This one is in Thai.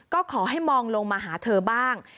ก็ขอให้มองลงมาหาเธอบ้าง